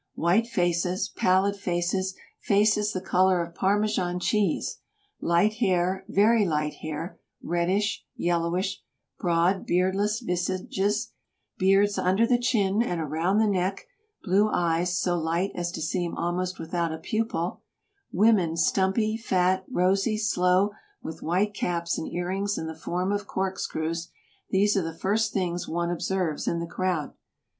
White faces, pallid faces, faces the color of Parmesan cheese; light hair, very light hair, reddish, yellowish; broad, beardless visages, beards under the chin and around the neck; blue eyes, so light as to seem almost without a pupil ; women stumpy, fat, rosy, slow, with white caps and earrings in the form of corkscrews — these are the first things one observes in the crowd.